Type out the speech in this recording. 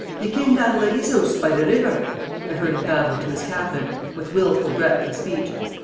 "Ye ken Dan Levy's hoose by the river?" I heard him babble to his cabman, with wilful breadth of speech.